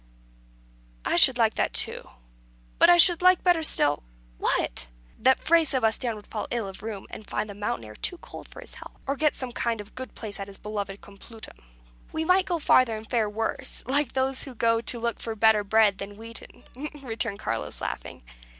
"I should like that too. But I should like better still " "What!" "That Fray Sebastian would fall ill of the rheum, and find the mountain air too cold for his health; or get some kind of good place at his beloved Complutum." "We might go farther and fare worse, like those that go to look for better bread than wheaten," returned Carlos, laughing.